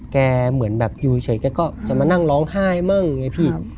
เหมือนแบบอยู่เฉยแกก็จะมานั่งร้องไห้มั่งไงพี่